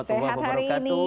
sehat hari ini